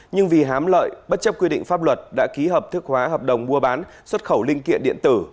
nhưng vì hám lợi bất chấp quy định pháp luật đã ký hợp thức hóa hợp đồng mua bán xuất khẩu linh kiện điện tử